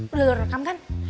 udah lu rekam kan